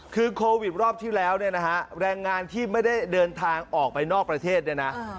คือโควิดรอบที่แล้วเนี่ยนะฮะแรงงานที่ไม่ได้เดินทางออกไปนอกประเทศเนี่ยนะ